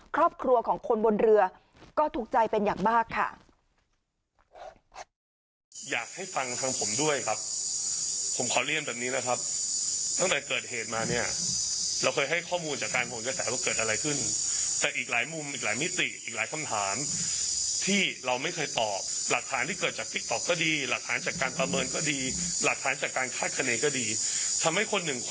ครอบครัวของคนบนเรือก็ถูกใจเป็นอย่างมากค่ะ